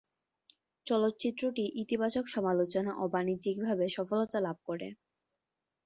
চলচ্চিত্রটি ইতিবাচক সমালোচনা ও বাণিজ্যিকভাবে সফলতা লাভ করে।